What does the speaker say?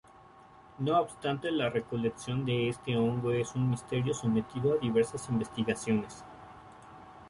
No obstante la recolección de este hongo es un misterio sometido a diversas investigaciones.